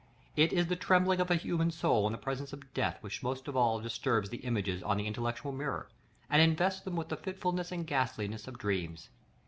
It is the trembling of the human soul in the presence of death which most of all disturbs the images on the intellectual mirror, and invests them with the fitfulness and ghastliness of dreams.